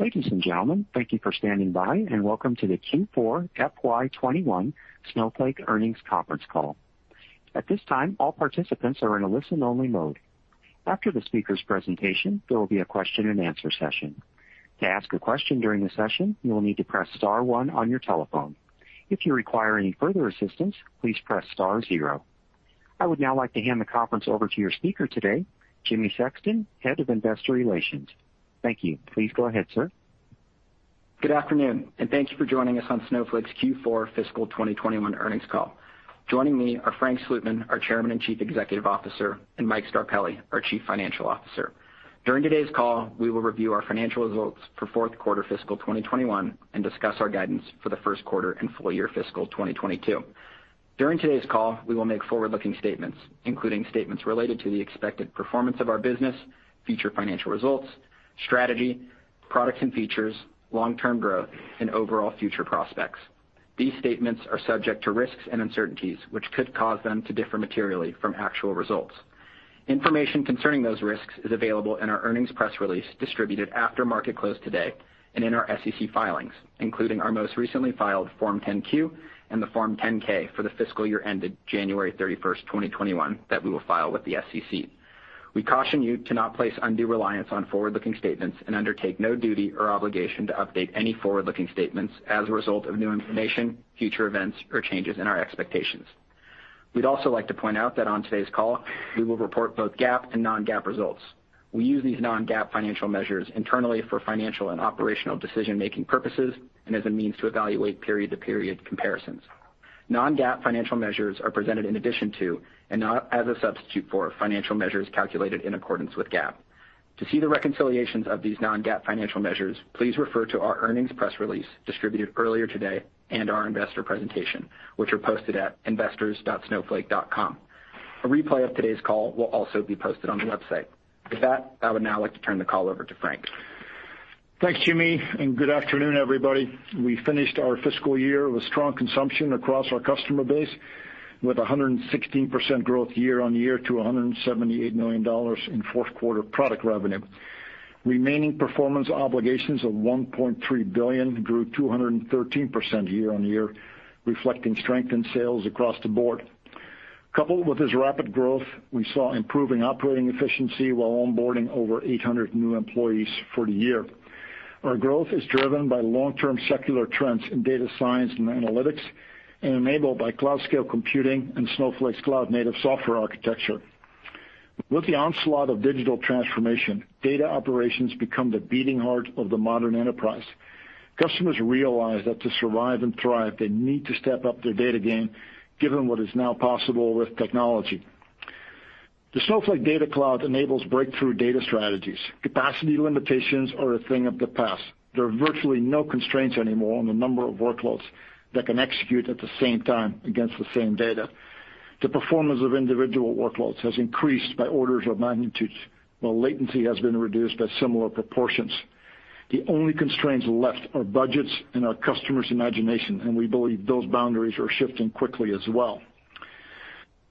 Ladies and gentlemen, thank you for standing by, and welcome to the Q4 FY 2021 Snowflake earnings conference call. At this time, all participants are in a listen only mode. After the speaker's presentation, there will be a question and answer session. To ask a question during the session, you will need to press star one on your telephone. If you require any further assistance, please press star zero. I would now like to hand the conference over to your speaker today, Jimmy Sexton, Head of Investor Relations. Thank you. Please go ahead, sir. Good afternoon, and thank you for joining us on Snowflake's Q4 fiscal 2021 earnings call. Joining me are Frank Slootman, our Chairman and Chief Executive Officer, and Mike Scarpelli, our Chief Financial Officer. During today's call, we will review our financial results for fourth quarter fiscal 2021, and discuss our guidance for the first quarter and full year fiscal 2022. During today's call, we will make forward-looking statements, including statements related to the expected performance of our business, future financial results, strategy, products and features, long-term growth, and overall future prospects. These statements are subject to risks and uncertainties, which could cause them to differ materially from actual results. Information concerning those risks is available in our earnings press release distributed after market close today, and in our SEC filings, including our most recently filed Form 10-Q and the Form 10-K for the fiscal year ended January 31st, 2021, that we will file with the SEC. We caution you to not place undue reliance on forward-looking statements and undertake no duty or obligation to update any forward-looking statements as a result of new information, future events, or changes in our expectations. We'd also like to point out that on today's call, we will report both GAAP and non-GAAP results. We use these non-GAAP financial measures internally for financial and operational decision-making purposes, and as a means to evaluate period-to-period comparisons. Non-GAAP financial measures are presented in addition to, and not as a substitute for, financial measures calculated in accordance with GAAP. To see the reconciliations of these non-GAAP financial measures, please refer to our earnings press release distributed earlier today and our investor presentation, which are posted at investors.snowflake.com. A replay of today's call will also be posted on the website. With that, I would now like to turn the call over to Frank. Thanks, Jimmy. Good afternoon, everybody. We finished our fiscal year with strong consumption across our customer base, with 116% growth year-on-year to $178 million in fourth quarter product revenue. Remaining performance obligations of $1.3 billion grew 213% year-on-year, reflecting strength in sales across the board. Coupled with this rapid growth, we saw improving operating efficiency while onboarding over 800 new employees for the year. Our growth is driven by long-term secular trends in data science and analytics, and enabled by cloud scale computing and Snowflake's cloud-native software architecture. With the onslaught of digital transformation, data operations become the beating heart of the modern enterprise. Customers realize that to survive and thrive, they need to step up their data game given what is now possible with technology. The Snowflake Data Cloud enables breakthrough data strategies. Capacity limitations are a thing of the past. There are virtually no constraints anymore on the number of workloads that can execute at the same time against the same data. The performance of individual workloads has increased by orders of magnitude, while latency has been reduced by similar proportions. The only constraints left are budgets and our customers' imagination, and we believe those boundaries are shifting quickly as well.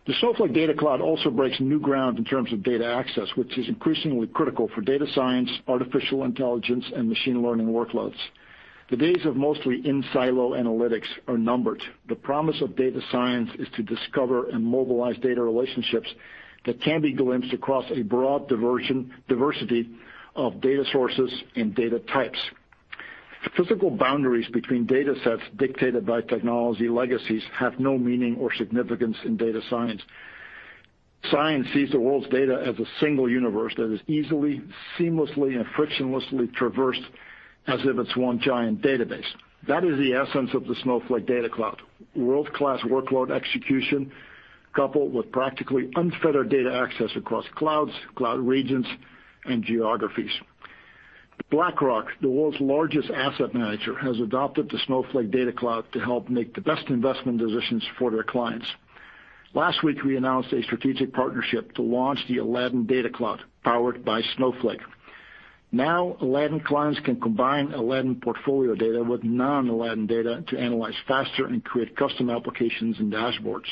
The Snowflake Data Cloud also breaks new ground in terms of data access, which is increasingly critical for data science, artificial intelligence, and machine learning workloads. The days of mostly in-silo analytics are numbered. The promise of data science is to discover and mobilize data relationships that can be glimpsed across a broad diversity of data sources and data types. Physical boundaries between data sets dictated by technology legacies have no meaning or significance in data science. Science sees the world's data as a single universe that is easily, seamlessly, and frictionlessly traversed as if it's one giant database. That is the essence of the Snowflake Data Cloud. World-class workload execution, coupled with practically unfettered data access across clouds, cloud regions, and geographies. BlackRock, the world's largest asset manager, has adopted the Snowflake Data Cloud to help make the best investment decisions for their clients. Last week, we announced a strategic partnership to launch the Aladdin Data Cloud, powered by Snowflake. Now, Aladdin clients can combine Aladdin portfolio data with non-Aladdin data to analyze faster and create custom applications and dashboards.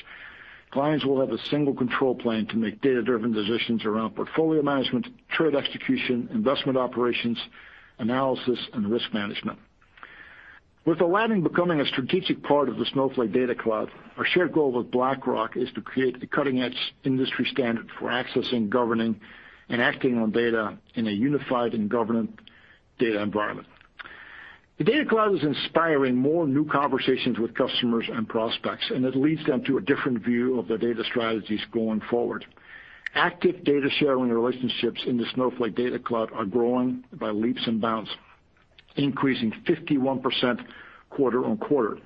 Clients will have a single control plane to make data-driven decisions around portfolio management, trade execution, investment operations, analysis, and risk management. With Aladdin becoming a strategic part of the Snowflake Data Cloud, our shared goal with BlackRock is to create a cutting-edge industry standard for accessing, governing, and acting on data in a unified and governed data environment. It leads them to a different view of their data strategies going forward. Active data-sharing relationships in the Snowflake Data Cloud are growing by leaps and bounds, increasing 51% quarter-on-quarter.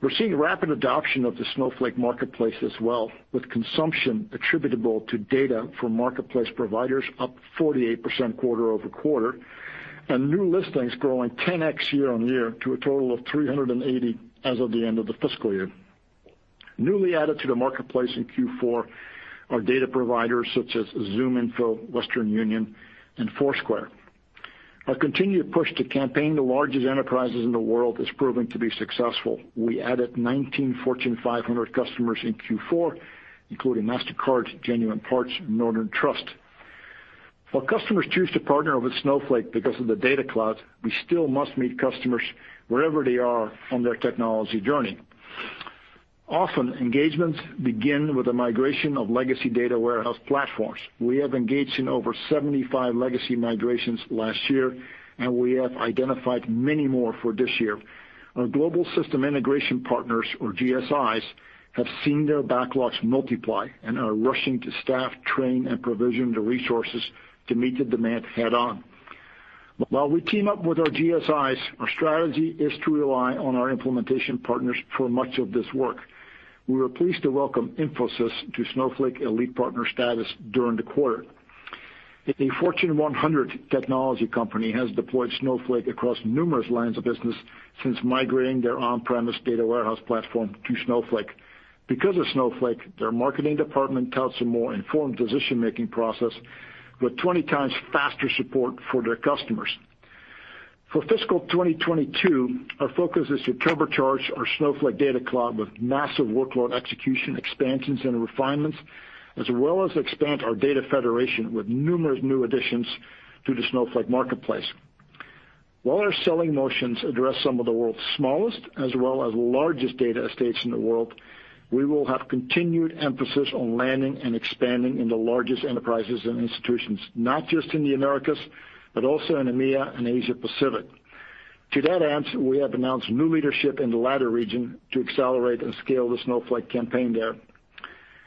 We're seeing rapid adoption of the Snowflake Marketplace as well, with consumption attributable to data from marketplace providers up 48% quarter-over-quarter, New listings growing 10X year-on-year to a total of 380 as of the end of the fiscal year. Newly added to the marketplace in Q4 are data providers such as ZoomInfo, Western Union, and Foursquare. Our continued push to campaign the largest enterprises in the world is proving to be successful. We added 19 Fortune 500 customers in Q4, including Mastercard, Genuine Parts, and Northern Trust. While customers choose to partner with Snowflake because of the Data Cloud, we still must meet customers wherever they are on their technology journey. Often, engagements begin with a migration of legacy data warehouse platforms. We have engaged in over 75 legacy migrations last year, and we have identified many more for this year. Our global system integration partners, or GSIs, have seen their backlogs multiply and are rushing to staff, train, and provision the resources to meet the demand head-on. While we team up with our GSIs, our strategy is to rely on our implementation partners for much of this work. We were pleased to welcome Infosys to Snowflake Elite Partner status during the quarter. A Fortune 100 technology company has deployed Snowflake across numerous lines of business since migrating their on-premise data warehouse platform to Snowflake. Because of Snowflake, their marketing department touts a more informed decision-making process with 20x faster support for their customers. For fiscal 2022, our focus is to turbocharge our Snowflake Data Cloud with massive workload execution expansions and refinements, as well as expand our data federation with numerous new additions to the Snowflake Marketplace. While our selling motions address some of the world's smallest as well as largest data estates in the world, we will have continued emphasis on landing and expanding in the largest enterprises and institutions, not just in the Americas, but also in EMEA and Asia Pacific. To that end, we have announced new leadership in the latter region to accelerate and scale the Snowflake campaign there.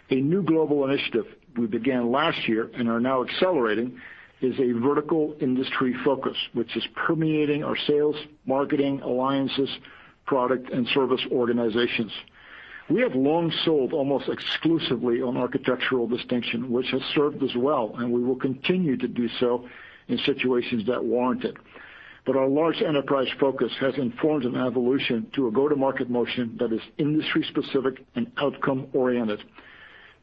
A new global initiative we began last year and are now accelerating is a vertical industry focus, which is permeating our sales, marketing, alliances, product, and service organizations. We have long sold almost exclusively on architectural distinction, which has served us well, and we will continue to do so in situations that warrant it. Our large enterprise focus has informed an evolution to a go-to-market motion that is industry-specific and outcome-oriented.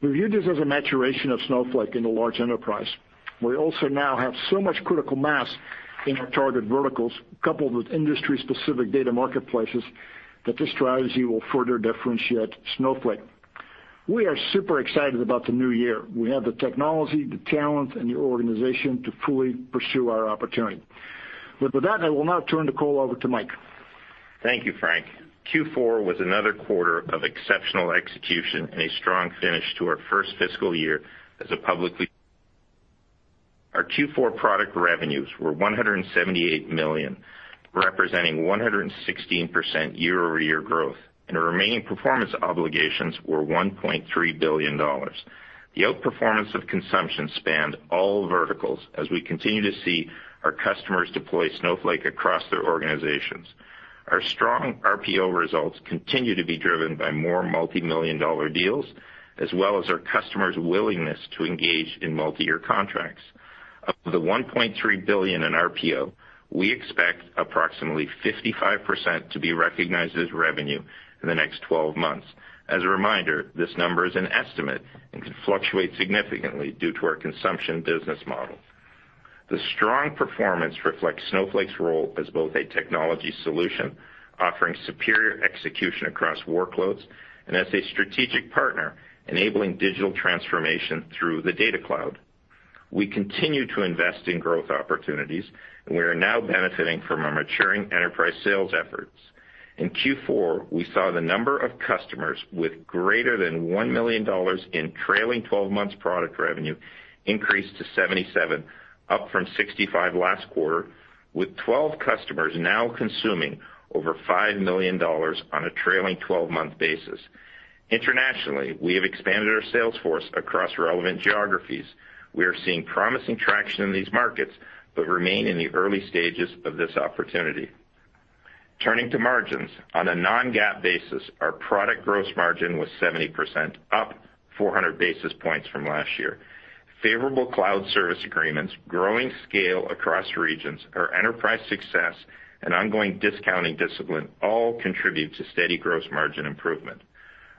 We view this as a maturation of Snowflake in the large enterprise. We also now have so much critical mass in our target verticals, coupled with industry-specific data marketplaces, that this strategy will further differentiate Snowflake. We are super excited about the new year. We have the technology, the talent, and the organization to fully pursue our opportunity. With that, I will now turn the call over to Mike. Thank you, Frank. Q4 was another quarter of exceptional execution and a strong finish to our first fiscal year as a publicly. Our Q4 product revenues were $178 million, representing 116% year-over-year growth, and our remaining performance obligations were $1.3 billion. The out-performance of consumption spanned all verticals as we continue to see our customers deploy Snowflake across their organizations. Our strong RPO results continue to be driven by more multimillion-dollar deals, as well as our customers' willingness to engage in multi-year contracts. Of the $1.3 billion in RPO, we expect approximately 55% to be recognized as revenue in the next 12 months. As a reminder, this number is an estimate and can fluctuate significantly due to our consumption business model. The strong performance reflects Snowflake's role as both a technology solution, offering superior execution across workloads, and as a strategic partner, enabling digital transformation through the Data Cloud. We continue to invest in growth opportunities, and we are now benefiting from our maturing enterprise sales efforts. In Q4, we saw the number of customers with greater than $1 million in trailing 12 months product revenue increase to 77, up from 65 last quarter, with 12 customers now consuming over $5 million on a trailing 12-month basis. Internationally, we have expanded our sales force across relevant geographies. We are seeing promising traction in these markets, but remain in the early stages of this opportunity. Turning to margins. On a non-GAAP basis, our product gross margin was 70%, up 400 basis points from last year. Favorable cloud service agreements, growing scale across regions, our enterprise success, and ongoing discounting discipline all contribute to steady gross margin improvement.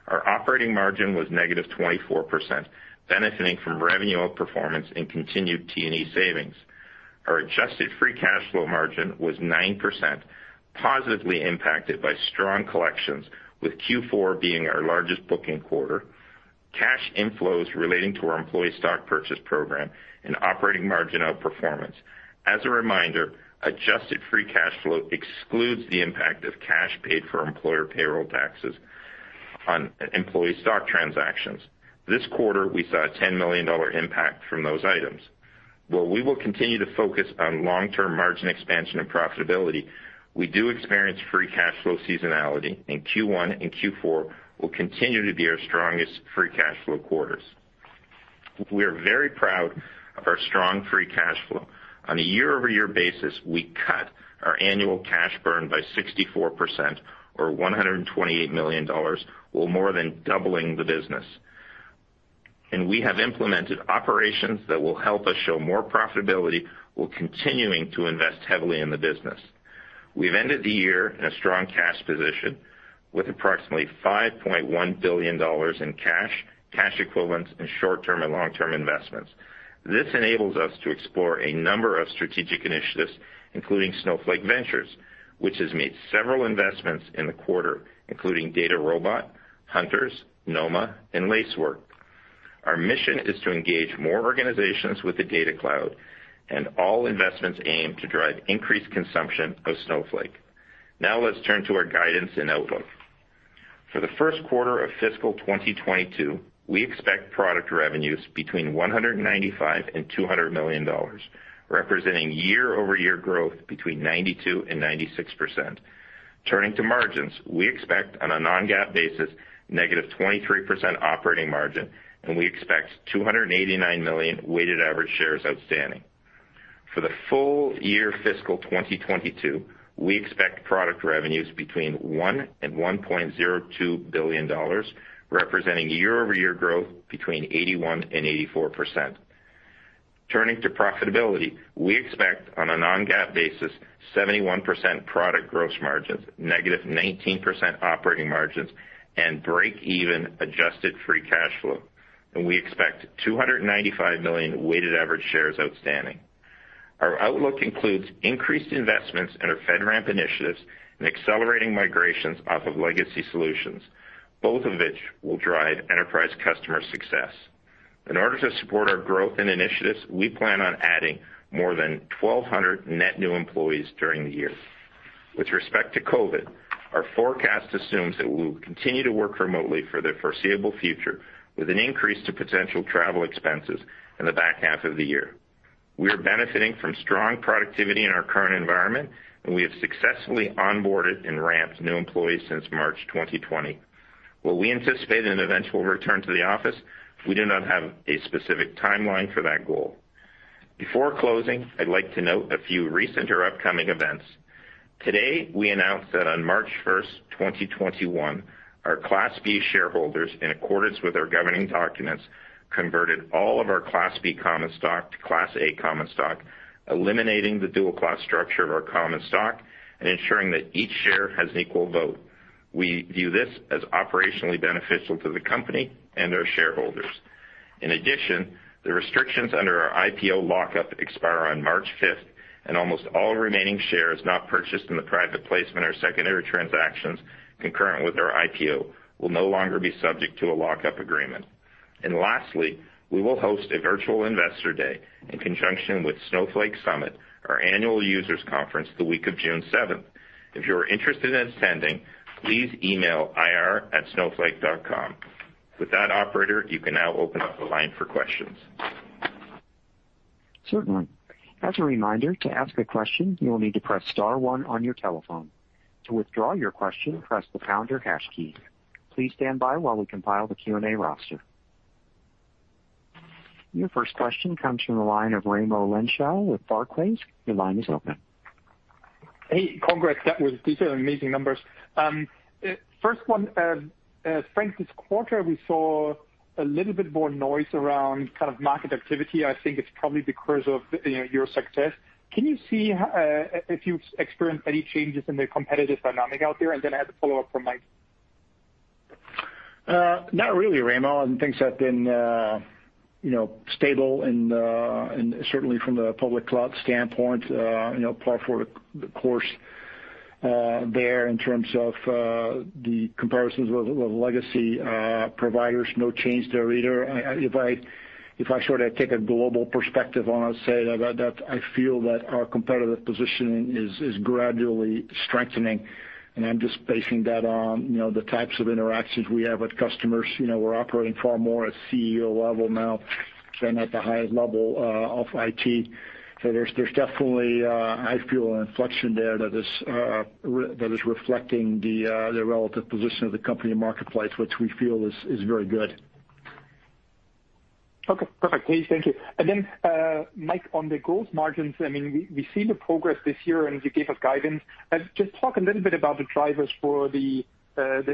Our operating margin was -24%, benefiting from revenue out-performance and continued T&E savings. Our adjusted free cash flow margin was 9%, positively impacted by strong collections, with Q4 being our largest booking quarter, cash inflows relating to our employee stock purchase program, and operating margin out-performance. As a reminder, adjusted free cash flow excludes the impact of cash paid for employer payroll taxes on employee stock transactions. This quarter, we saw a $10 million impact from those items. While we will continue to focus on long-term margin expansion and profitability, we do experience free cash flow seasonality, and Q1 and Q4 will continue to be our strongest free cash flow quarters. We are very proud of our strong free cash flow. On a year-over-year basis, we cut our annual cash burn by 64%, or $128 million, while more than doubling the business. We have implemented operations that will help us show more profitability while continuing to invest heavily in the business. We've ended the year in a strong cash position with approximately $5.1 billion in cash equivalents, and short-term and long-term investments. This enables us to explore a number of strategic initiatives, including Snowflake Ventures, which has made several investments in the quarter, including DataRobot, Hunters, Nozomi Networks, and Lacework. Our mission is to engage more organizations with the Data Cloud. All investments aim to drive increased consumption of Snowflake. Let's turn to our guidance and outlook. For the first quarter of fiscal 2022, we expect product revenues between $195 and $200 million, representing year-over-year growth between 92% and 96%. Turning to margins, we expect on a non-GAAP basis, negative 23% operating margin. We expect 289 million weighted average shares outstanding. For the full year fiscal 2022, we expect product revenues between $1 and $1.02 billion, representing year-over-year growth between 81% and 84%. Turning to profitability, we expect on a non-GAAP basis, 71% product gross margins, -19% operating margins, and break even adjusted free cash flow. We expect 295 million weighted average shares outstanding. Our outlook includes increased investments in our FedRAMP initiatives and accelerating migrations off of legacy solutions, both of which will drive enterprise customer success. In order to support our growth and initiatives, we plan on adding more than 1,200 net new employees during the year. With respect to COVID, our forecast assumes that we'll continue to work remotely for the foreseeable future, with an increase to potential travel expenses in the back half of the year. We are benefiting from strong productivity in our current environment. We have successfully onboarded and ramped new employees since March 2020. While we anticipate an eventual return to the office, we do not have a specific timeline for that goal. Before closing, I'd like to note a few recent or upcoming events. Today, we announced that on March 1st, 2021, our Class B shareholders, in accordance with our governing documents, converted all of our Class B common stock to Class A common stock, eliminating the dual-class structure of our common stock and ensuring that each share has an equal vote. We view this as operationally beneficial to the company and our shareholders. In addition, the restrictions under our IPO lock-up expire on March 5th, and almost all remaining shares not purchased in the private placement or secondary transactions concurrent with our IPO will no longer be subject to a lock-up agreement. Lastly, we will host a virtual Investor Day in conjunction with Snowflake Summit, our annual users conference, the week of June 7th. If you are interested in attending, please email ir@snowflake.com. With that operator, you can now open up the line for questions. Certainly. As a reminder, to ask a question, you will need to press *1 on your telephone. To withdraw your question, press the pound or hash key. Please stand by while we compile the Q&A roster. Your first question comes from the line of Raimo Lenschow with Barclays. Your line is open. Hey, congrats. These are amazing numbers. First one, Frank, this quarter, we saw a little bit more noise around market activity. I think it's probably because of your success. Can you see if you've experienced any changes in the competitive dynamic out there? Then I have a follow-up for Mike. Not really, Raimo. Things have been stable, and certainly from the public cloud standpoint, par for the course there in terms of the comparisons with legacy providers, no change there either. If I were to take a global perspective on it, say that I feel that our competitive positioning is gradually strengthening, and I'm just basing that on the types of interactions we have with customers. We're operating far more at CEO level now than at the highest level of IT. There's definitely, I feel, an inflection there that is reflecting the relative position of the company in marketplace, which we feel is very good. Okay, perfect. Thank you. Mike, on the gross margins, we see the progress this year, and you gave us guidance. Just talk a little bit about the drivers for the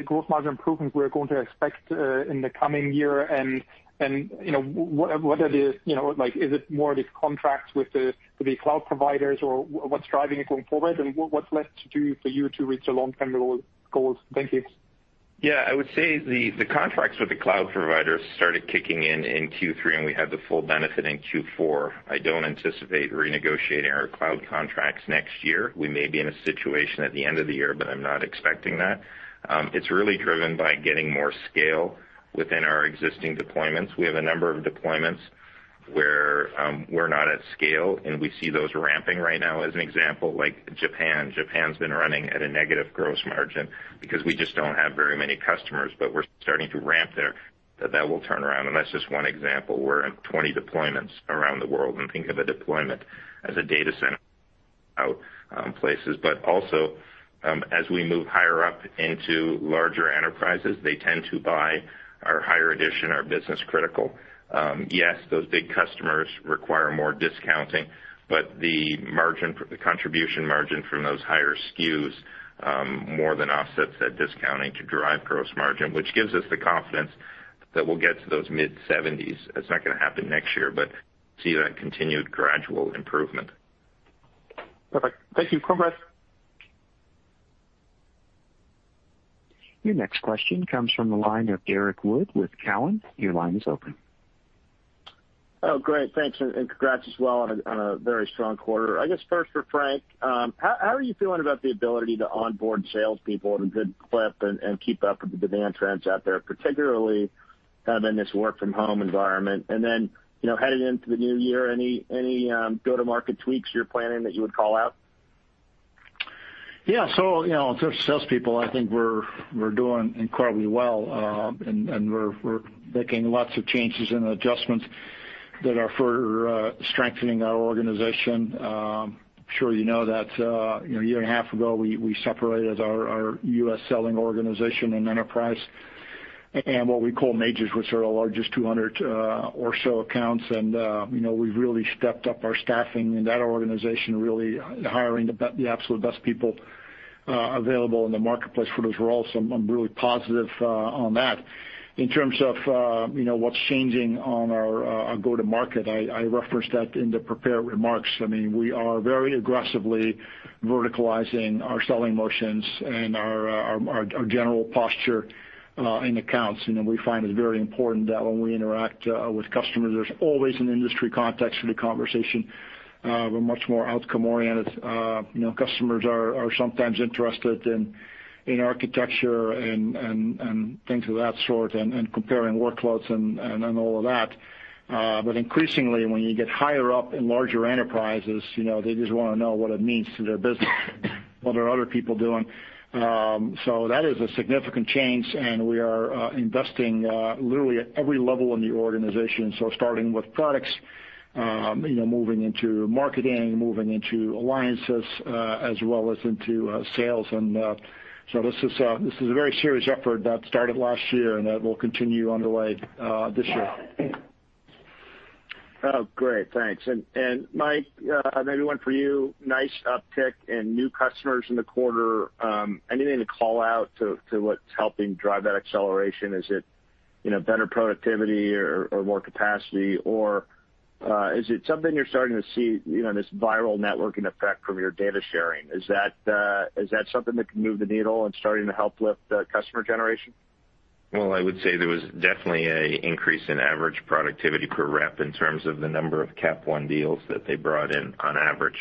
gross margin improvements we're going to expect in the coming year, is it more of these contracts with the cloud providers, or what's driving it going forward, what's left to do for you to reach the long-term goals? Thank you. Yeah. I would say the contracts with the cloud providers started kicking in in Q3, and we had the full benefit in Q4. I don't anticipate renegotiating our cloud contracts next year. We may be in a situation at the end of the year, but I'm not expecting that. It's really driven by getting more scale within our existing deployments. We have a number of deployments where we're not at scale, and we see those ramping right now as an example, like Japan. Japan's been running at a negative gross margin because we just don't have very many customers, but we're starting to ramp there. That will turn around, and that's just one example. We're in 20 deployments around the world, and think of a deployment as a data center out places. Also, as we move higher up into larger enterprises, they tend to buy our higher edition, our Business Critical. Yes, those big customers require more discounting, but the contribution margin from those higher SKUs more than offsets that discounting to drive gross margin, which gives us the confidence that we'll get to those mid-70s%. It's not going to happen next year, but see that continued gradual improvement. Perfect. Thank you. Congrats. Your next question comes from the line of Derrick Wood with Cowen. Your line is open Oh, great. Thanks, and congrats as well on a very strong quarter. I guess first for Frank, how are you feeling about the ability to onboard salespeople at a good clip and keep up with the demand trends out there, particularly in this work from home environment? Heading into the new year, any go-to-market tweaks you're planning that you would call out? In terms of salespeople, I think we're doing incredibly well. We're making lots of changes and adjustments that are further strengthening our organization. I'm sure you know that a year and a half ago, we separated our U.S. selling organization and enterprise and what we call majors, which are our largest 200 or so accounts. We've really stepped up our staffing in that organization, really hiring the absolute best people available in the marketplace for those roles. I'm really positive on that. In terms of what's changing on our go-to-market, I referenced that in the prepared remarks. We are very aggressively verticalizing our selling motions and our general posture in accounts. We find it very important that when we interact with customers, there's always an industry context to the conversation. We're much more -oriented. Customers are sometimes interested in architecture and things of that sort, and comparing workloads and all of that. Increasingly, when you get higher up in larger enterprises, they just want to know what it means to their business, what are other people doing. That is a significant change, and we are investing literally at every level in the organization. Starting with products, moving into marketing, moving into alliances, as well as into sales. This is a very serious effort that started last year, and that will continue underway this year. Oh, great. Thanks. Mike, maybe one for you. Nice uptick in new customers in the quarter. Anything to call out to what's helping drive that acceleration? Is it better productivity or more capacity, or is it something you're starting to see, this viral networking effect from your data sharing? Is that something that can move the needle and starting to help lift customer generation? I would say there was definitely an increase in average productivity per rep in terms of the number of capacity won deals that they brought in on average.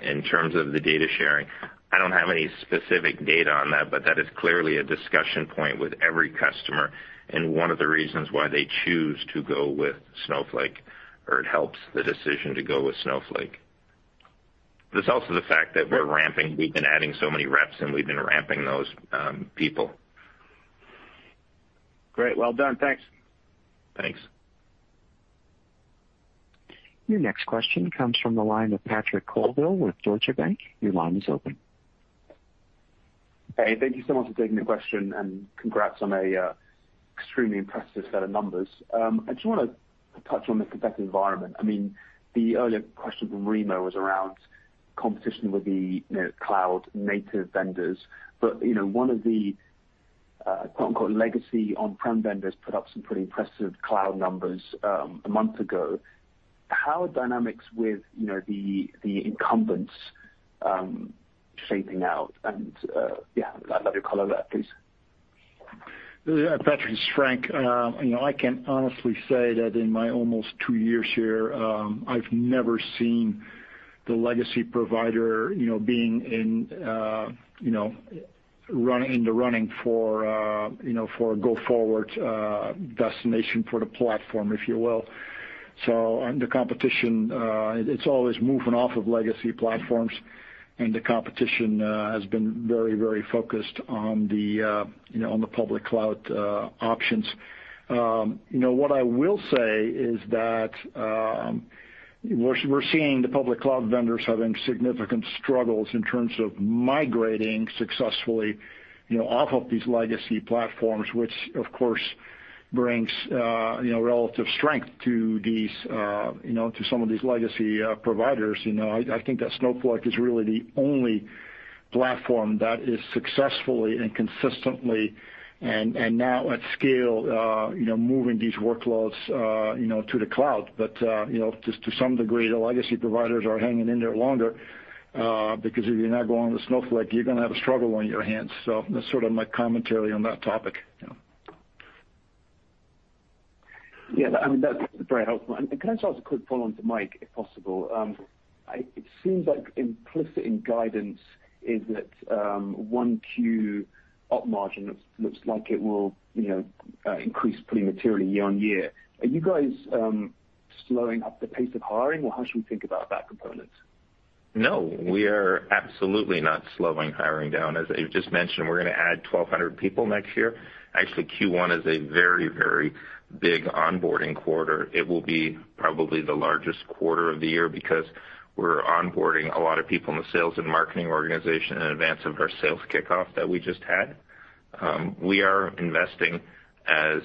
In terms of the data sharing, I don't have any specific data on that, but that is clearly a discussion point with every customer, and one of the reasons why they choose to go with Snowflake, or it helps the decision to go with Snowflake. There's also the fact that we're ramping. We've been adding so many reps, and we've been ramping those people. Great. Well done. Thanks. Thanks. Your next question comes from the line of Patrick Colville with Deutsche Bank. Your line is open. Thank you so much for taking the question, and congrats on an extremely impressive set of numbers. The earlier question from Raimo was around competition with the cloud-native vendors. One of the "legacy" on-prem vendors put up some pretty impressive cloud numbers a month ago. How are dynamics with the incumbents shaping out? Yeah, I'd love your color on that, please. Patrick, it's Frank. I can honestly say that in my almost two years here, I've never seen the legacy provider being in the running for a go forward destination for the platform, if you will. The competition, it's always moving off of legacy platforms, and the competition has been very focused on the public cloud options. What I will say is that we're seeing the public cloud vendors having significant struggles in terms of migrating successfully off of these legacy platforms, which of course brings relative strength to some of these legacy providers. I think that Snowflake is really the only platform that is successfully and consistently, and now at scale, moving these workloads to the cloud. Just to some degree, the legacy providers are hanging in there longer, because if you're not going with Snowflake, you're going to have a struggle on your hands. That's sort of my commentary on that topic. Yeah. That's very helpful. Can I just ask a quick follow-on to Mike, if possible? It seems like implicit in guidance is that 1Q op margin looks like it will increase pretty materially year-over-year. Are you guys slowing up the pace of hiring, or how should we think about that component? No. We are absolutely not slowing hiring down. As I just mentioned, we're going to add 1,200 people next year. Actually, Q1 is a very big onboarding quarter. It will be probably the largest quarter of the year because we're onboarding a lot of people in the sales and marketing organization in advance of our sales kickoff that we just had. We are investing as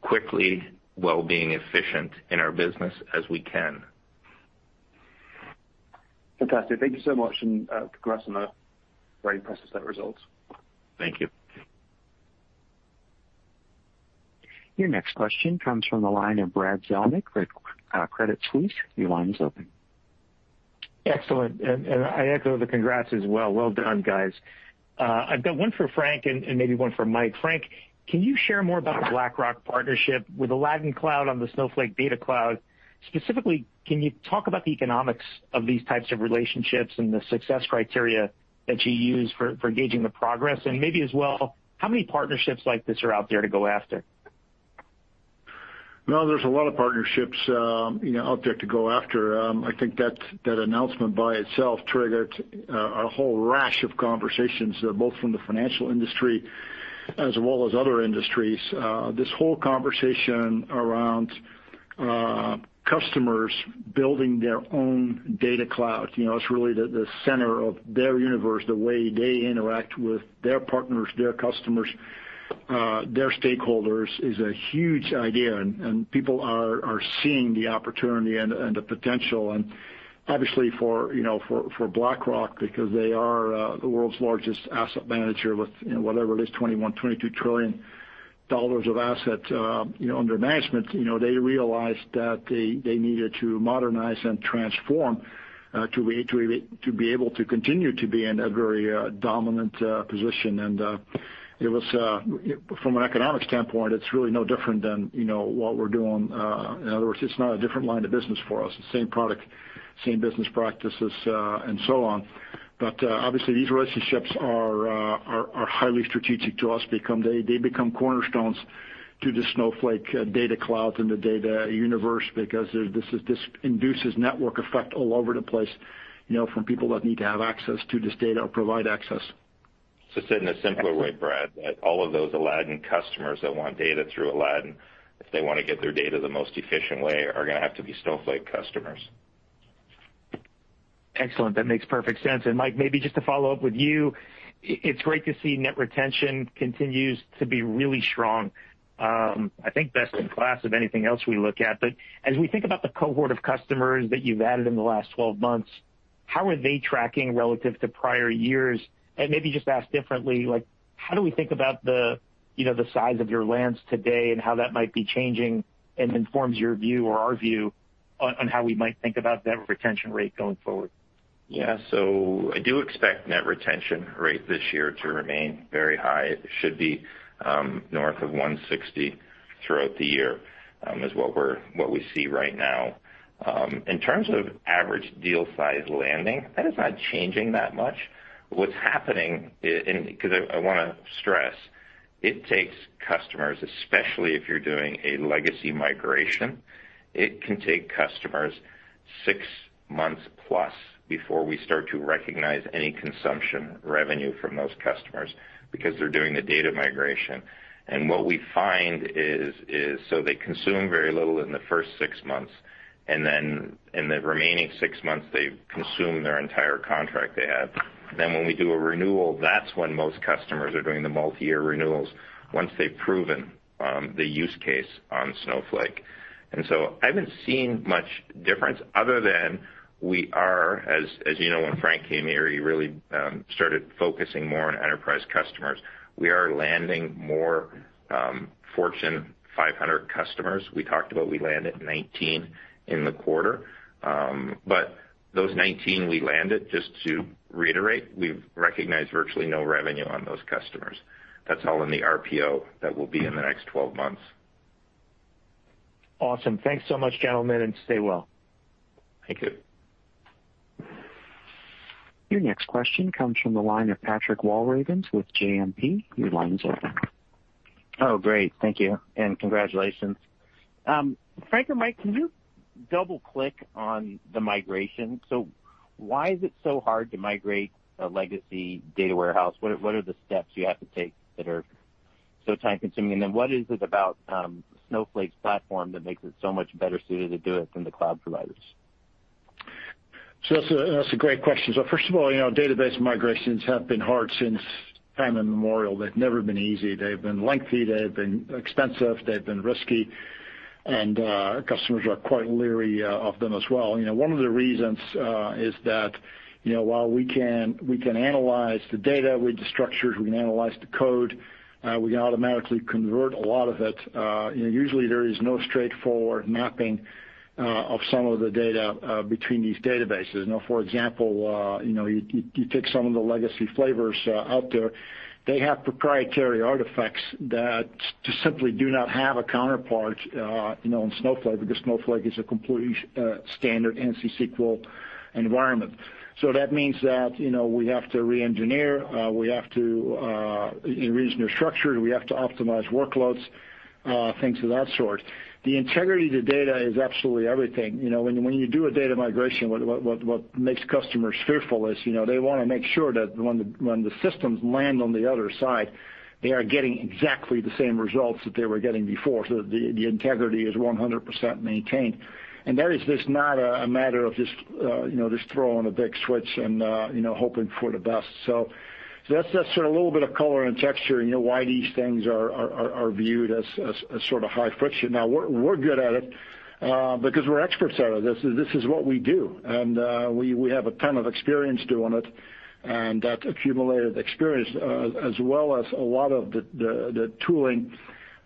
quickly while being efficient in our business as we can. Fantastic. Thank you so much, and congrats on the very impressive set of results. Thank you. Your next question comes from the line of Brad Zelnick with Credit Suisse. Your line is open. Excellent. I echo the congrats as well. Well done, guys. I've got one for Frank and maybe one for Mike. Frank, can you share more about the BlackRock partnership with Aladdin Cloud on the Snowflake Data Cloud? Specifically, can you talk about the economics of these types of relationships and the success criteria that you use for gauging the progress, and maybe as well, how many partnerships like this are out there to go after? No, there's a lot of partnerships out there to go after. I think that announcement by itself triggered a whole rash of conversations, both from the financial industry as well as other industries. This whole conversation around customers building their own data cloud. It's really the center of their universe, the way they interact with their partners, their customers, their stakeholders, is a huge idea, and people are seeing the opportunity and the potential. Obviously for BlackRock, because they are the world's largest asset manager with whatever it is, $21 trillion, $22 trillion of assets under management, they realized that they needed to modernize and transform to be able to continue to be in a very dominant position. From an economic standpoint, it's really no different than what we're doing. In other words, it's not a different line of business for us. It's the same product, same business practices, and so on. Obviously, these relationships are highly strategic to us. They become cornerstones to the Snowflake Data Cloud in the data universe, because this induces network effect all over the place, from people that need to have access to this data or provide access. To say it in a simpler way, Brad, that all of those Aladdin customers that want data through Aladdin, if they want to get their data the most efficient way, are going to have to be Snowflake customers. Excellent. That makes perfect sense. Mike, maybe just to follow up with you, it's great to see net retention continues to be really strong. I think best in class of anything else we look at. As we think about the cohort of customers that you've added in the last 12 months, how are they tracking relative to prior years? Maybe just ask differently, how do we think about the size of your lands today and how that might be changing, and informs your view or our view on how we might think about net retention rate going forward? I do expect net retention rate this year to remain very high. It should be north of 160 throughout the year, is what we see right now. In terms of average deal size landing, that is not changing that much. What's happening, because I want to stress, it takes customers, especially if you're doing a legacy migration, it can take customers six months-plus before we start to recognize any consumption revenue from those customers, because they're doing the data migration. What we find is, they consume very little in the first six months, then in the remaining six months, they consume their entire contract they had. When we do a renewal, that's when most customers are doing the multi-year renewals, once they've proven the use case on Snowflake. I haven't seen much difference other than we are, as you know, when Frank came here, he really started focusing more on enterprise customers. We are landing more Fortune 500 customers. We talked about we landed 19 in the quarter. Those 19 we landed, just to reiterate, we've recognized virtually no revenue on those customers. That's all in the RPO. That will be in the next 12 months. Awesome. Thanks so much, gentlemen, and stay well. Thank you. Your next question comes from the line of Patrick Walravens with JMP. Your line is open. Oh, great. Thank you, and congratulations. Frank or Mike, can you double-click on the migration? Why is it so hard to migrate a legacy data warehouse? What are the steps you have to take that are so time-consuming? What is it about Snowflake's platform that makes it so much better suited to do it than the cloud providers? That's a great question. First of all, database migrations have been hard since time immemorial. They've never been easy. They've been lengthy, they've been expensive, they've been risky, and customers are quite leery of them as well. One of the reasons is that, while we can analyze the data, read the structures, we can analyze the code, we can automatically convert a lot of it. Usually, there is no straightforward mapping of some of the data between these databases. For example, you take some of the legacy flavors out there, they have proprietary artifacts that just simply do not have a counterpart in Snowflake, because Snowflake is a completely standard ANSI SQL environment. That means that we have to re-engineer, we have to reengineer structures, we have to optimize workloads, things of that sort. The integrity of the data is absolutely everything. When you do a data migration, what makes customers fearful is they want to make sure that when the systems land on the other side, they are getting exactly the same results that they were getting before, so the integrity is 100% maintained. That is just not a matter of just throwing a big switch and hoping for the best. That's just a little bit of color and texture, why these things are viewed as sort of high friction. Now, we're good at it because we're experts at it. This is what we do, and we have a ton of experience doing it, and that accumulated experience, as well as a lot of the tooling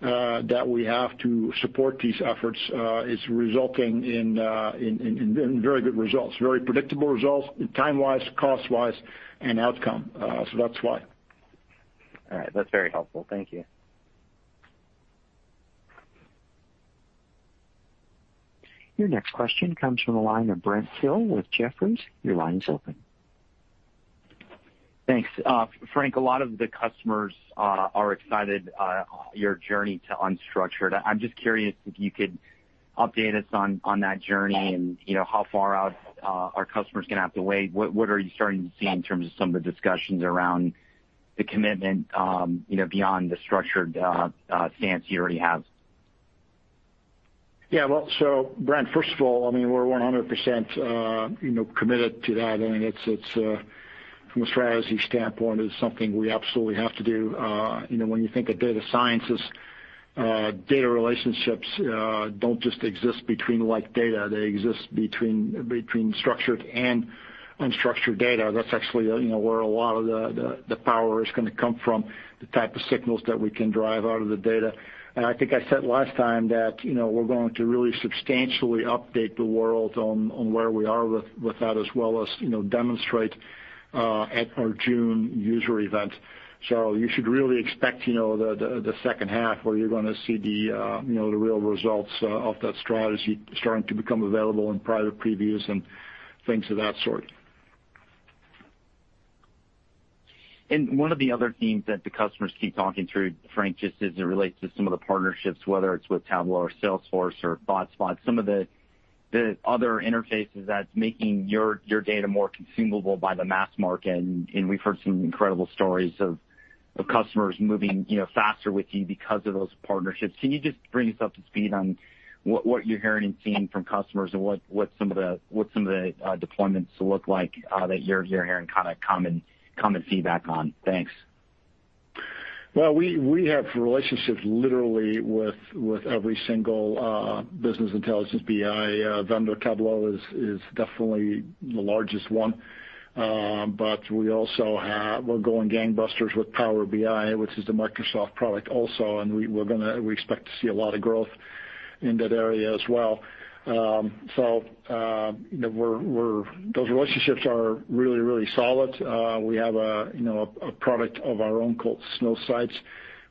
that we have to support these efforts, is resulting in very good results. Very predictable results, time-wise, cost-wise, and outcome. That's why. All right. That's very helpful. Thank you. Your next question comes from the line of Brent Thill with Jefferies. Your line is open. Thanks. Frank, a lot of the customers are excited your journey to unstructured. I'm just curious if you could update us on that journey and how far out are customers going to have to wait. What are you starting to see in terms of some of the discussions around the commitment, beyond the structured stance you already have? Brent, first of all, we're 100% committed to that. From a strategy standpoint, it is something we absolutely have to do. When you think of data sciences, data relationships don't just exist between like data. They exist between structured and unstructured data. That's actually where a lot of the power is going to come from, the type of signals that we can drive out of the data. I think I said last time that we're going to really substantially update the world on where we are with that as well as demonstrate at our June user event. You should really expect the second half where you're going to see the real results of that strategy starting to become available in private previews and things of that sort. One of the other themes that the customers keep talking through, Frank, just as it relates to some of the partnerships, whether it's with Tableau or Salesforce or ThoughtSpot. Some of the other interfaces that's making your data more consumable by the mass market, and we've heard some incredible stories of customers moving faster with you because of those partnerships. Can you just bring us up to speed on what you're hearing and seeing from customers and what some of the deployments look like that you're hearing common feedback on? Thanks. Well, we have relationships literally with every single business intelligence BI vendor. Tableau is definitely the largest one. We're going gangbusters with Power BI, which is the Microsoft product also, and we expect to see a lot of growth in that area as well. Those relationships are really solid. We have a product of our own called Snowsight,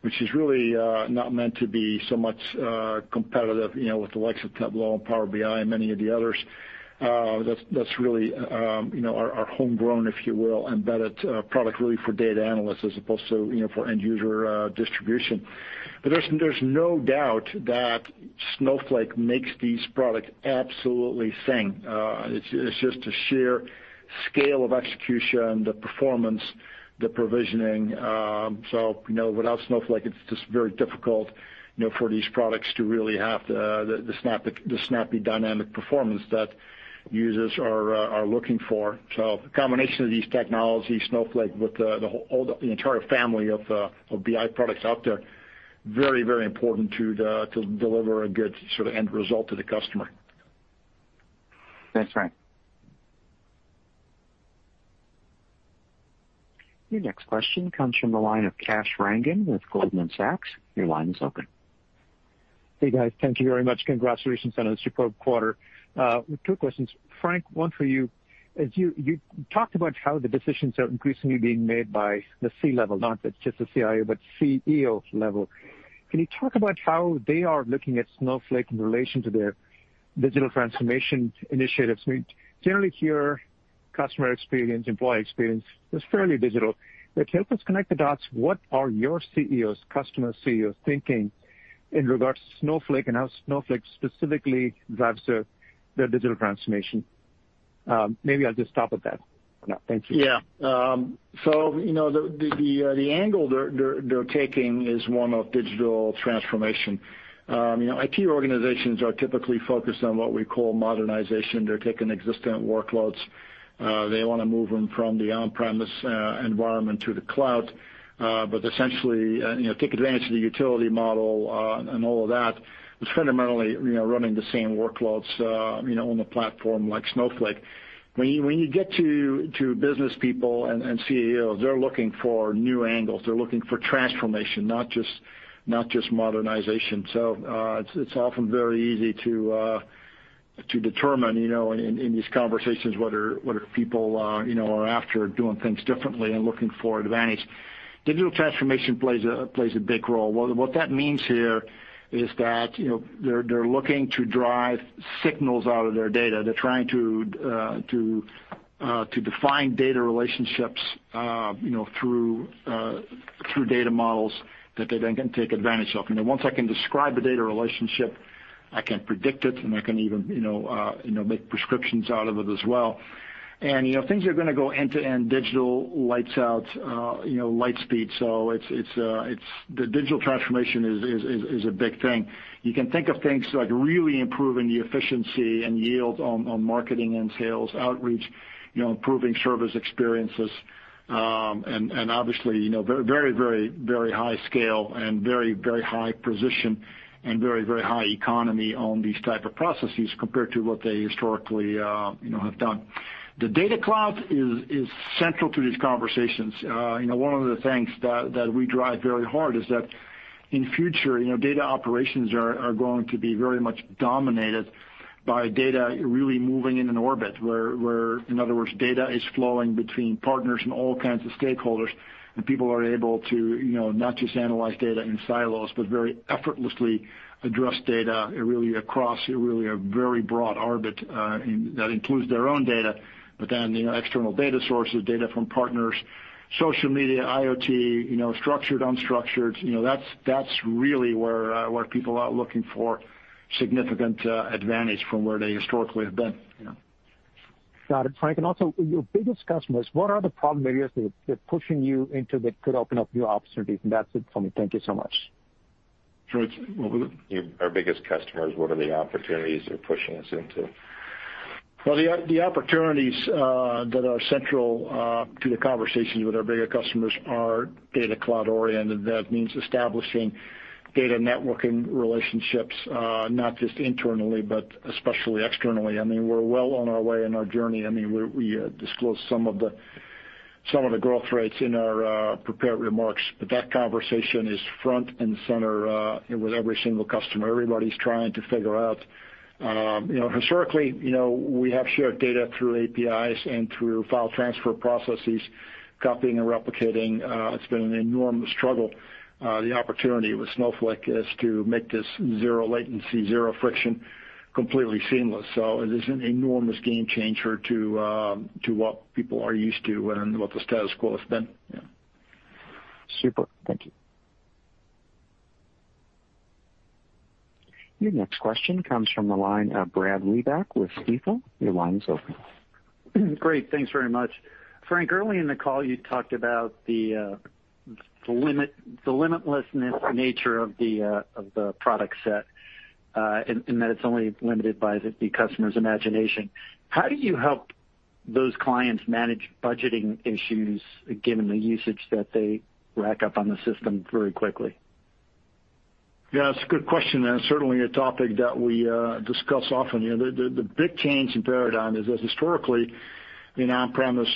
which is really not meant to be so much competitive with the likes of Tableau and Power BI and many of the others. That's really our homegrown, if you will, embedded product really for data analysts as opposed to for end user distribution. There's no doubt that Snowflake makes these products absolutely sing. It's just the sheer scale of execution, the performance, the provisioning. Without Snowflake, it's just very difficult for these products to really have the snappy, dynamic performance that users are looking for. The combination of these technologies, Snowflake with the entire family of BI products out there, very important to deliver a good end result to the customer. Thanks, Frank. Your next question comes from the line of Kash Rangan with Goldman Sachs. Your line is open. Hey, guys. Thank you very much. Congratulations on a superb quarter. Two questions. Frank, one for you. As you talked about how the decisions are increasingly being made by the C-level, not just the CIO, but CEO level. Can you talk about how they are looking at Snowflake in relation to their digital transformation initiatives? We generally hear customer experience, employee experience is fairly digital. Help us connect the dots. What are your CEOs, customer CEOs thinking in regards to Snowflake and how Snowflake specifically drives their digital transformation? Maybe I'll just stop at that for now. Thank you. The angle they're taking is one of digital transformation. IT organizations are typically focused on what we call modernization. They're taking existing workloads. They want to move them from the on-premise environment to the cloud. Essentially, take advantage of the utility model, and all of that is fundamentally running the same workloads on a platform like Snowflake. When you get to business people and CEOs, they're looking for new angles. They're looking for transformation, not just modernization. It's often very easy to determine in these conversations, whether people are after doing things differently and looking for advantage. Digital transformation plays a big role. What that means here is that they're looking to drive signals out of their data. They're trying to define data relationships through data models that they then can take advantage of. Once I can describe a data relationship, I can predict it, and I can even make prescriptions out of it as well. Things are going to go end-to-end digital, lights out, light speed. The digital transformation is a big thing. You can think of things like really improving the efficiency and yield on marketing and sales outreach, improving service experiences, and obviously, very high scale and very high precision and very high economy on these type of processes compared to what they historically have done. The Data Cloud is central to these conversations. One of the things that we drive very hard is that in future, data operations are going to be very much dominated by data really moving in an orbit where, in other words, data is flowing between partners and all kinds of stakeholders, and people are able to not just analyze data in silos, but very effortlessly address data really across really a very broad orbit that includes their own data, but then the external data sources, data from partners, social media, IoT, structured, unstructured. That's really where people are looking for significant advantage from where they historically have been. Got it, Frank. Also, your biggest customers, what are the problem areas that are pushing you into that could open up new opportunities? That's it for me. Thank you so much. Sorry, what was it? Our biggest customers, what are the opportunities they're pushing us into? Well, the opportunities that are central to the conversations with our bigger customers are Data Cloud-oriented. That means establishing data networking relationships, not just internally, but especially externally. We're well on our way in our journey. We disclose some of the growth rates in our prepared remarks. That conversation is front and center with every single customer. Everybody's trying to figure out. Historically, we have shared data through APIs and through file transfer processes, copying and replicating. It's been an enormous struggle. The opportunity with Snowflake is to make this zero latency, zero friction, completely seamless. It is an enormous game changer to what people are used to and what the status quo has been. Yeah. Super. Thank you. Your next question comes from the line of Brad Reback with Stifel. Your line is open. Great. Thanks very much. Frank, early in the call, you talked about the limitlessness nature of the product set, and that it's only limited by the customer's imagination. How do you help those clients manage budgeting issues given the usage that they rack up on the system very quickly? Yeah, it's a good question. That's certainly a topic that we discuss often. The big change in paradigm is, historically, in on-premise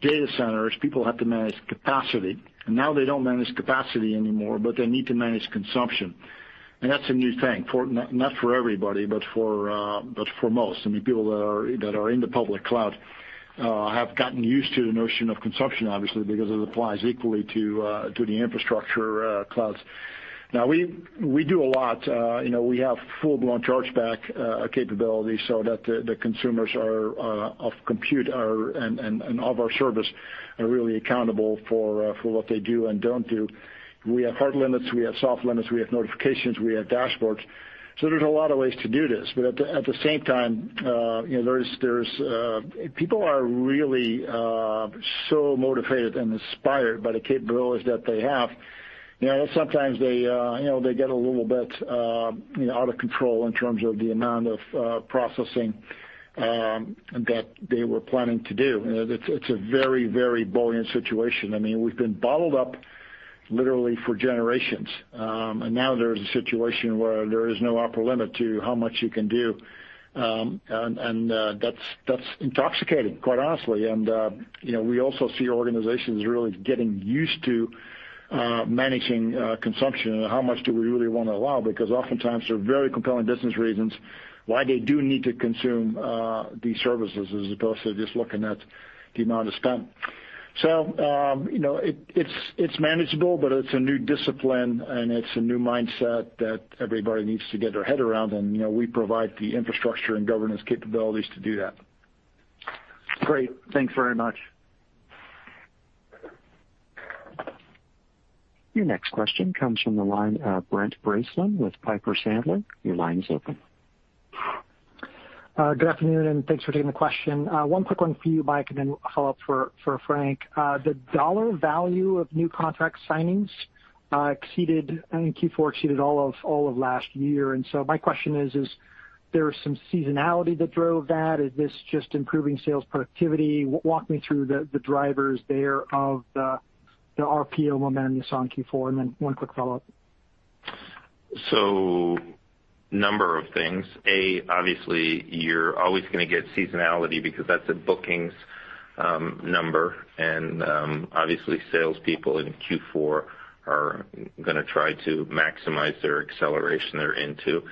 data centers, people have to manage capacity. Now they don't manage capacity anymore, but they need to manage consumption. That's a new thing, not for everybody, but for most. People that are in the public cloud have gotten used to the notion of consumption, obviously, because it applies equally to the infrastructure clouds. Now we do a lot. We have full-blown chargeback capabilities so that the consumers of compute and of our service are really accountable for what they do and don't do. We have hard limits, we have soft limits, we have notifications, we have dashboards. There's a lot of ways to do this. At the same time, people are really so motivated and inspired by the capabilities that they have. Sometimes they get a little bit out of control in terms of the amount of processing that they were planning to do. It's a very, very buoyant situation. We've been bottled up literally for generations. Now there's a situation where there is no upper limit to how much you can do. That's intoxicating, quite honestly. We also see organizations really getting used to managing consumption and how much do we really want to allow, because oftentimes there are very compelling business reasons why they do need to consume these services as opposed to just looking at the amount of spend. It's manageable, but it's a new discipline and it's a new mindset that everybody needs to get their head around. We provide the infrastructure and governance capabilities to do that. Great. Thanks very much. Your next question comes from the line of Brent Bracelin with Piper Sandler. Your line is open. Good afternoon, and thanks for taking the question. One quick one for you, Mike, and then follow-up for Frank. The dollar value of new contract signings exceeded, I think Q4 exceeded all of last year. My question is there some seasonality that drove that? Is this just improving sales productivity? Walk me through the drivers there of the RPO momentum that's on Q4, and then one quick follow-up. Number of things. A, obviously, you're always going to get seasonality because that's a bookings number. Obviously, salespeople in Q4 are going to try to maximize their acceleration they're into.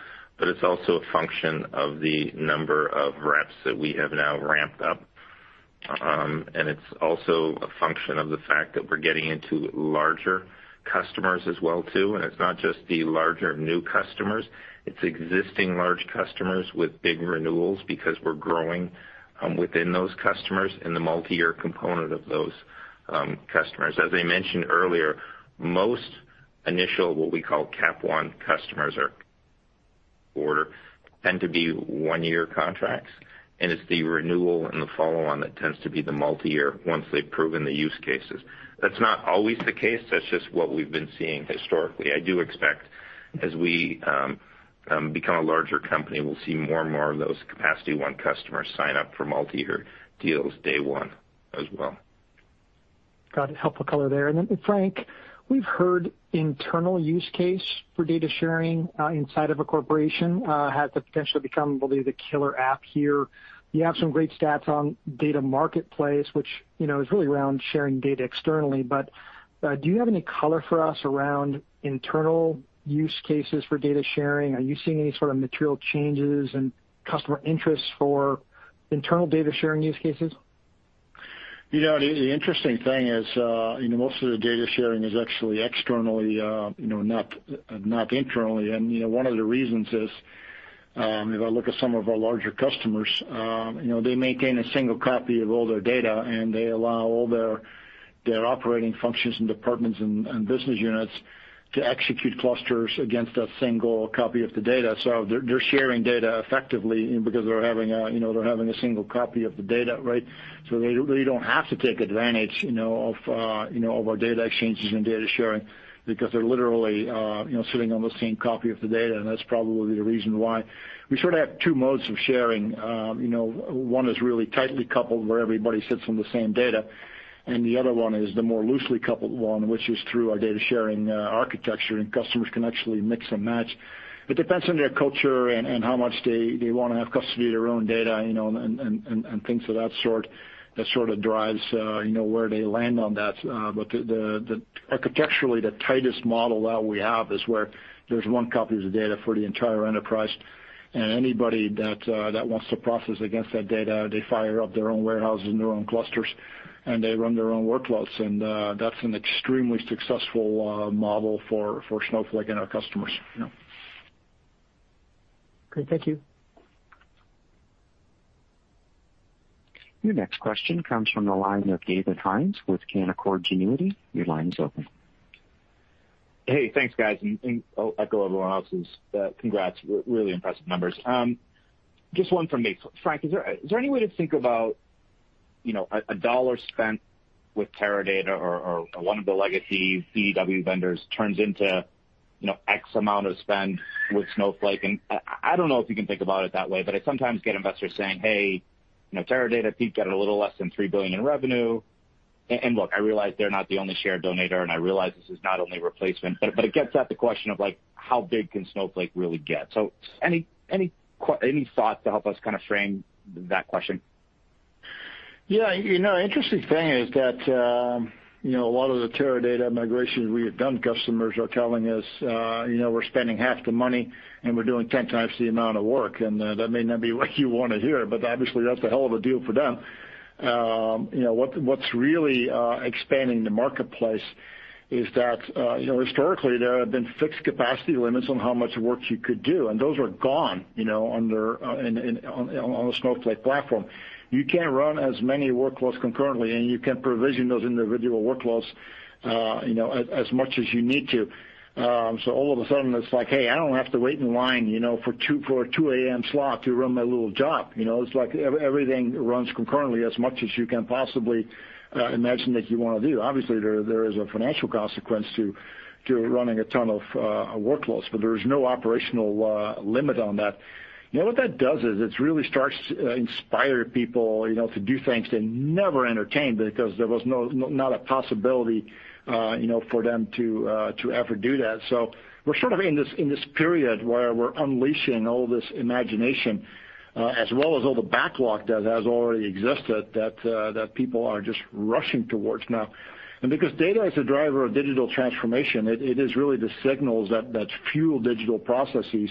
It's also a function of the number of reps that we have now ramped up. It's also a function of the fact that we're getting into larger customers as well, too. It's not just the larger new customers. It's existing large customers with big renewals because we're growing within those customers and the multi-year component of those customers. As I mentioned earlier, most initial, what we call capacity one customers or order, tend to be one-year contracts. It's the renewal and the follow-on that tends to be the multi-year once they've proven the use cases. That's not always the case. That's just what we've been seeing historically. I do expect as we become a larger company, we'll see more and more of those capacity one customers sign up for multi-year deals day one as well. Got it. Helpful color there. Frank, we've heard internal use case for data sharing inside of a corporation, has the potential to become, believe, the killer app here. You have some great stats on data marketplace, which is really around sharing data externally. Do you have any color for us around internal use cases for data sharing? Are you seeing any sort of material changes in customer interest for internal data sharing use cases? The interesting thing is, most of the data sharing is actually externally, not internally. One of the reasons is, if I look at some of our larger customers, they maintain a single copy of all their data, and they allow all their operating functions and departments and business units to execute clusters against a single copy of the data. They're sharing data effectively because they're having a single copy of the data, right? They really don't have to take advantage of our data exchanges and data sharing because they're literally sitting on the same copy of the data, and that's probably the reason why. We sort of have two modes of sharing. One is really tightly coupled where everybody sits on the same data. The other one is the more loosely coupled one, which is through our data sharing architecture. Customers can actually mix and match. It depends on their culture and how much they want to have custody of their own data, and things of that sort, that sort of drives where they land on that. Architecturally, the tightest model that we have is where there's one copy of the data for the entire enterprise. Anybody that wants to process against that data, they fire up their own warehouses and their own clusters, and they run their own workloads. That's an extremely successful model for Snowflake and our customers. Great. Thank you. Your next question comes from the line of David Hynes with Canaccord Genuity. Your line's open. Thanks, guys, I'll echo everyone else's congrats. Really impressive numbers. Just one from me. Frank, is there any way to think about, a $1 spent with Teradata or one of the legacy CDW vendors turns into X amount of spend with Snowflake? I don't know if you can think about it that way, but I sometimes get investors saying, "Hey, Teradata, I think, got a little less than $3 billion in revenue." Look, I realize they're not the only share donator, and I realize this is not only replacement. It gets at the question of how big can Snowflake really get. Any thoughts to help us kind of frame that question? Interesting thing is that, a lot of the Teradata migrations we had done, customers are telling us, "We're spending half the money, and we're doing 10x the amount of work." That may not be what you want to hear, but obviously that's a hell of a deal for them. What's really expanding the marketplace is that, historically, there have been fixed capacity limits on how much work you could do, and those are gone on the Snowflake platform. You can run as many workloads concurrently, and you can provision those individual workloads, as much as you need to. All of a sudden, it's like, "Hey, I don't have to wait in line for a 2:00 A.M. slot to run my little job." It's like everything runs concurrently as much as you can possibly imagine that you want to do. Obviously, there is a financial consequence to running a ton of workloads, but there is no operational limit on that. What that does is it really starts to inspire people to do things they never entertained because there was not a possibility for them to ever do that. We're sort of in this period where we're unleashing all this imagination, as well as all the backlog that has already existed, that people are just rushing towards now. Because data is the driver of digital transformation, it is really the signals that fuel digital processes.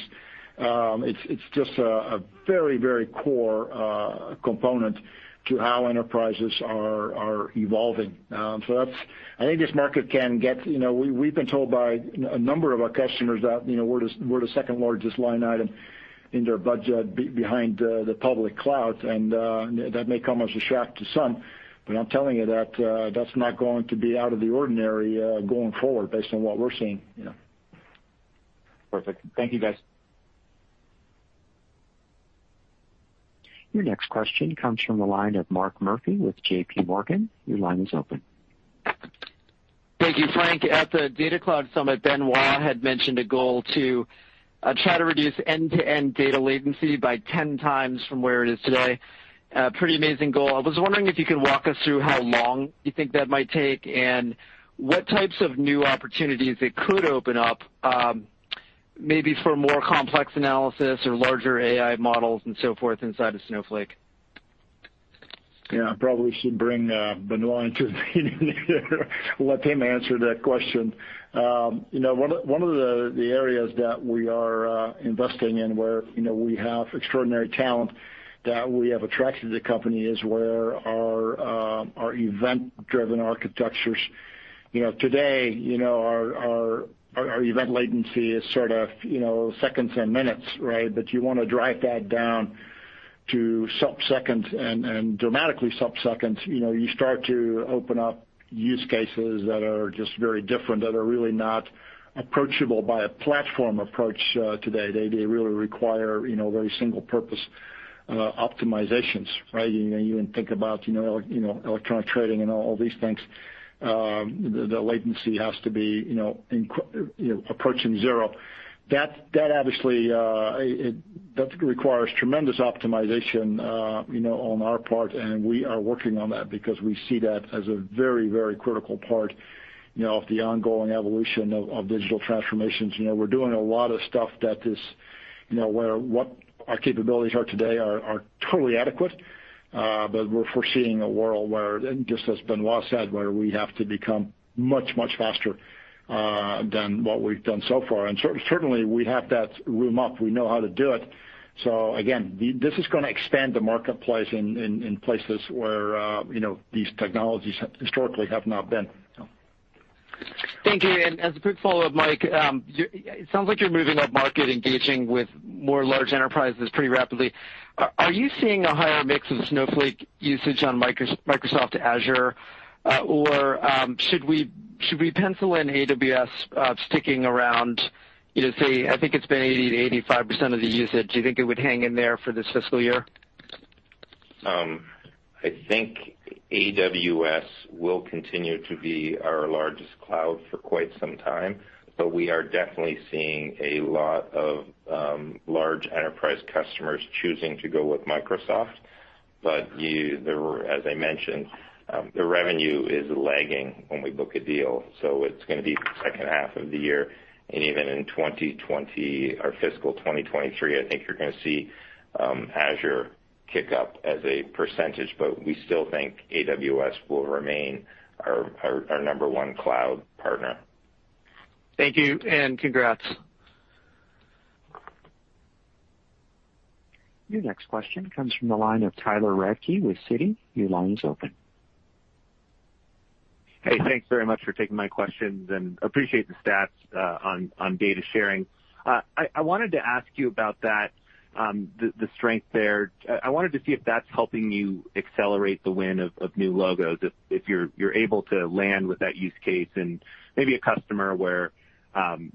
It's just a very core component to how enterprises are evolving. We've been told by a number of our customers that we're the second-largest line item in their budget behind the public cloud, and that may come as a shock to some. I'm telling you that's not going to be out of the ordinary, going forward, based on what we're seeing. Perfect. Thank you, guys. Your next question comes from the line of Mark Murphy with JPMorgan. Your line is open. Thank you, Frank. At the Data Cloud Summit, Benoit had mentioned a goal to try to reduce end-to-end data latency by 10x from where it is today. A pretty amazing goal. I was wondering if you could walk us through how long you think that might take and what types of new opportunities it could open up, maybe for more complex analysis or larger AI models and so forth inside of Snowflake. Yeah. I probably should bring Benoit into the meeting let him answer that question. One of the areas that we are investing in, where we have extraordinary talent that we have attracted to the company, is where our event-driven architectures. Today, our event latency is sort of, seconds and minutes, right? You want to drive that down to sub-seconds and dramatically sub-seconds. You start to open up use cases that are just very different, that are really not approachable by a platform approach today. They really require very single-purpose optimizations, right? You even think about electronic trading and all these things. The latency has to be approaching zero. That obviously requires tremendous optimization on our part, and we are working on that because we see that as a very critical part of the ongoing evolution of digital transformations. We're doing a lot of stuff where what our capabilities are today are totally adequate. We're foreseeing a world where, just as Benoit said, where we have to become much faster than what we've done so far. Certainly, we have that room up. We know how to do it. Again, this is going to expand the marketplace in places where these technologies historically have not been. Thank you. As a quick follow-up, Mike, it sounds like you're moving up-market, engaging with more large enterprises pretty rapidly. Are you seeing a higher mix of Snowflake usage on Microsoft Azure? Should we pencil in AWS sticking around, say, I think it's been 80%-85% of the usage. Do you think it would hang in there for this fiscal year? I think AWS will continue to be our largest cloud for quite some time, but we are definitely seeing a lot of large enterprise customers choosing to go with Microsoft. As I mentioned, the revenue is lagging when we book a deal, so it's going to be the second half of the year and even in 2020, our fiscal 2023, I think you're going to see Azure kick up as a percentage. We still think AWS will remain our number one cloud partner. Thank you, and congrats. Your next question comes from the line of Tyler Radke with Citi. Your line is open. Hey, thanks very much for taking my questions and appreciate the stats on data sharing. I wanted to ask you about that, the strength there. I wanted to see if that's helping you accelerate the win of new logos, if you're able to land with that use case and maybe a customer where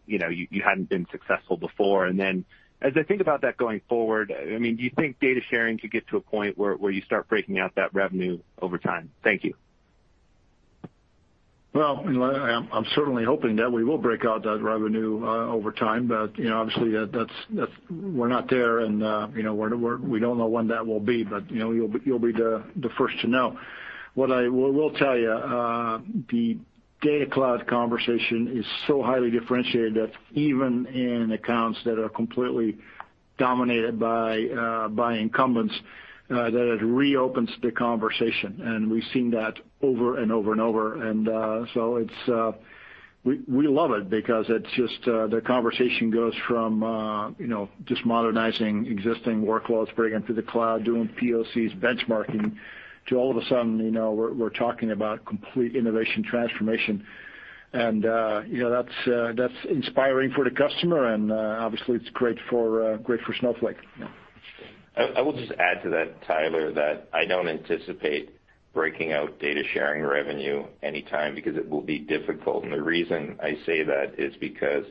you hadn't been successful before. As I think about that going forward, do you think data sharing could get to a point where you start breaking out that revenue over time? Thank you. Well, I'm certainly hoping that we will break out that revenue over time, but obviously, we're not there, and we don't know when that will be. You'll be the first to know. What I will tell you, the Data Cloud conversation is so highly differentiated that even in accounts that are completely dominated by incumbents, that it reopens the conversation. We've seen that over and over. We love it because the conversation goes from just modernizing existing workloads, bringing them to the cloud, doing POCs, benchmarking, to all of a sudden, we're talking about complete innovation transformation. That's inspiring for the customer, and obviously, it's great for Snowflake. I will just add to that, Tyler, that I don't anticipate breaking out data sharing revenue anytime because it will be difficult. The reason I say that is because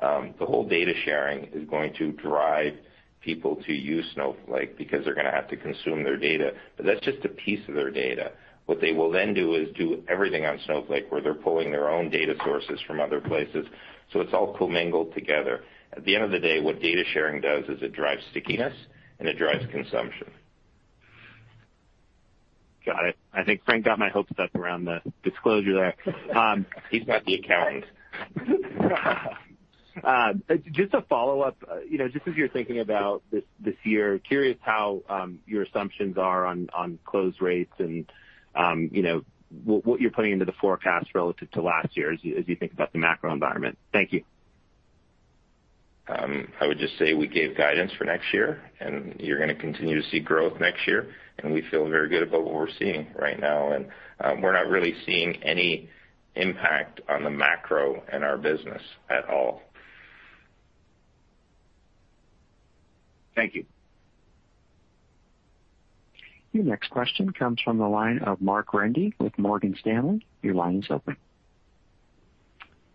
the whole data sharing is going to drive people to use Snowflake because they're going to have to consume their data. That's just a piece of their data. What they will then do is do everything on Snowflake, where they're pulling their own data sources from other places, so it's all co-mingled together. At the end of the day, what data sharing does is it drives stickiness, and it drives consumption. Got it. I think Frank got my hopes up around the disclosure there. He's got the accounting. Just a follow-up. Just as you're thinking about this year, curious how your assumptions are on close rates and what you're putting into the forecast relative to last year as you think about the macro environment? Thank you. I would just say we gave guidance for next year, and you're going to continue to see growth next year, and we feel very good about what we're seeing right now. We're not really seeing any impact on the macro in our business at all. Thank you. Your next question comes from the line of Mark Randall with Morgan Stanley. Your line is open.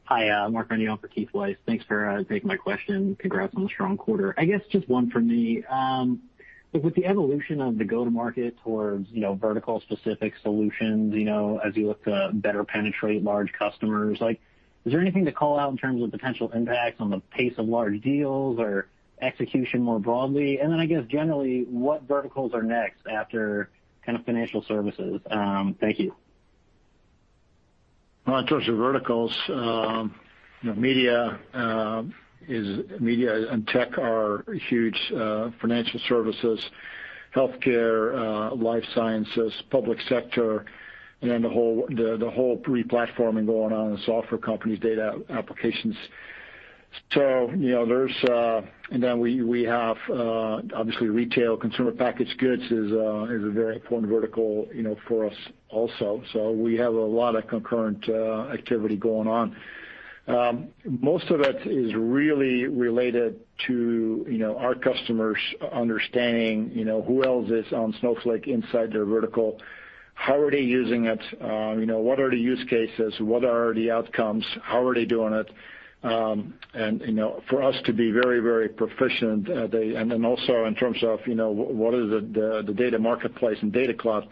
Hi, Mark Randall on for Keith Weiss. Thanks for taking my question. Congrats on the strong quarter. I guess just one for me. With the evolution of the go-to-market towards vertical specific solutions, as you look to better penetrate large customers, is there anything to call out in terms of potential impacts on the pace of large deals or execution more broadly? I guess generally, what verticals are next after kind of financial services? Thank you. Well, in terms of verticals, media and tech are huge. Financial services, healthcare, life sciences, public sector, and then the whole re-platforming going on in software companies, data applications. We have obviously retail. Consumer packaged goods is a very important vertical for us also. We have a lot of concurrent activity going on. Most of it is really related to our customers understanding who else is on Snowflake inside their vertical. How are they using it? What are the use cases? What are the outcomes? How are they doing it? For us to be very proficient, and then also in terms of what is the data marketplace and Data Cloud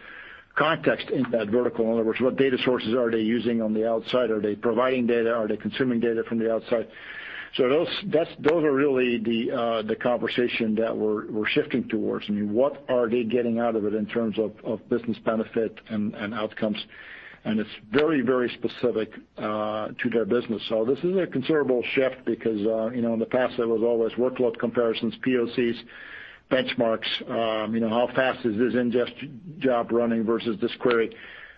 context in that vertical. In other words, what data sources are they using on the outside? Are they providing data? Are they consuming data from the outside? Those are really the conversation that we're shifting towards. I mean, what are they getting out of it in terms of business benefit and outcomes? It's very, very specific to their business. This is a considerable shift because, in the past there was always workload comparisons, POCs, benchmarks. How fast is this ingest job running versus this query?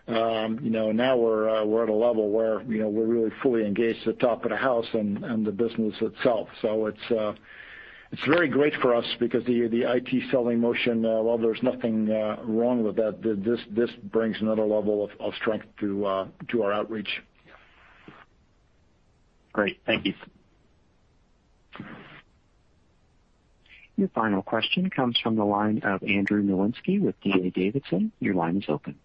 We're at a level where we're really fully engaged at top of the house and the business itself. It's very great for us because the IT selling motion, while there's nothing wrong with that, this brings another level of strength to our outreach. Great. Thank you. Your final question comes from the line of Andrew Davidson with D.A. Davidson. Your line is open.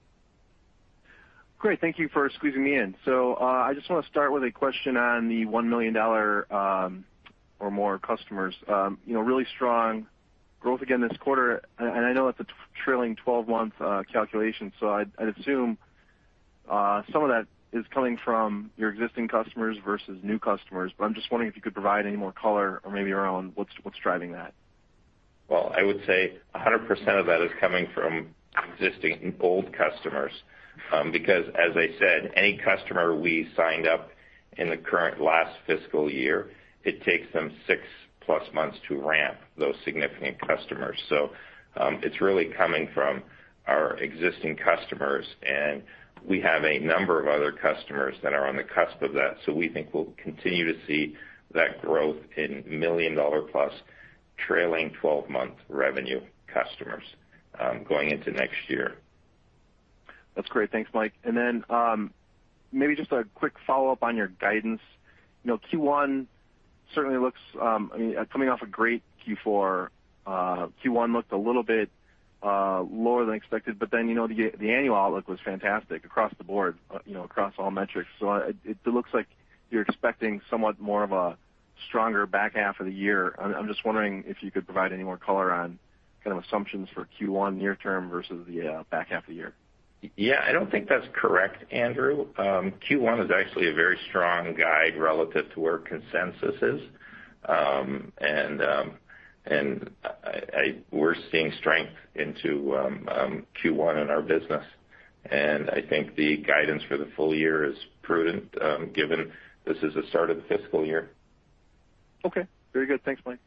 Great. Thank you for squeezing me in. I just want to start with a question on the $1 million or more customers. Really strong growth again this quarter, and I know it's a trailing 12-month calculation, so I'd assume some of that is coming from your existing customers versus new customers. I'm just wondering if you could provide any more color or maybe around what's driving that. Well, I would say 100% of that is coming from existing old customers. As I said, any customer we signed up in the current last fiscal year, it takes them six-plus months to ramp those significant customers. It's really coming from our existing customers, and we have a number of other customers that are on the cusp of that. We think we'll continue to see that growth in million-dollar-plus trailing 12-month revenue customers going into next year. That's great. Thanks, Mike. Maybe just a quick follow-up on your guidance. Q1 certainly looks-- I mean, coming off a great Q4, Q1 looked a little bit lower than expected, the annual outlook was fantastic across the board, across all metrics. It looks like you're expecting somewhat more of a stronger back half of the year. I'm just wondering if you could provide any more color on kind of assumptions for Q1 near term versus the back half of the year. Yeah, I don't think that's correct, Andrew. Q1 is actually a very strong guide relative to where consensus is. We're seeing strength into Q1 in our business, and I think the guidance for the full year is prudent, given this is the start of the fiscal year. Okay, very good. Thanks, Mike.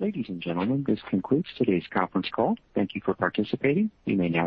Ladies and gentlemen, this concludes today's conference call. Thank you for participating. You may now disconnect.